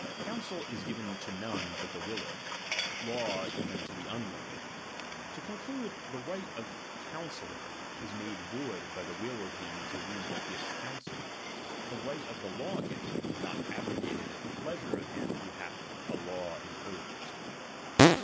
Counsel is given to none but the willing ; law even to the unwilling. To conclude, the right of the counsel lor is made void by the will of him to whom he gives counsel ; the right of the law giver is not abrogated at the pleasure of him who hath a law imposed.